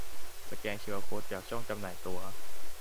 สแกนคิวอาร์โค้ดจากช่องจำหน่ายตั๋ว